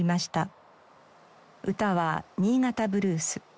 歌は『新潟ブルース』。